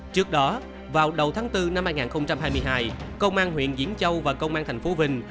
trước đó vào đầu tháng bốn năm hai nghìn hai mươi hai công an huyện diễn châu và công an thành phố vình